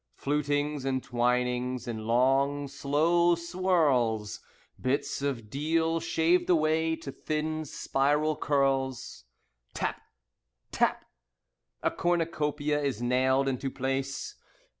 Flutings, and twinings, and long slow swirls, Bits of deal shaved away to thin spiral curls. Tap! Tap! A cornucopia is nailed into place.